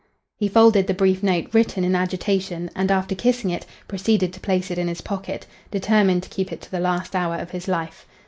He folded the brief note, written in agitation, and, after kissing it, proceeded to place it in his pocket, determined to keep it to the last hour of his life.